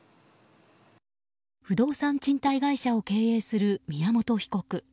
不動産賃貸会社を経営する宮本被告。